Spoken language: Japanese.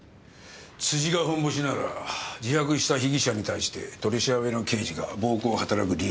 辻が本ボシなら自白した被疑者に対して取り調べの刑事が暴行をはたらく理由はない。